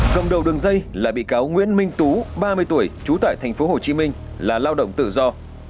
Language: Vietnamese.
cầm đầu đường dây là bị cáo nguyễn minh tú ba mươi tuổi trú tại tp hcm là lao động tự do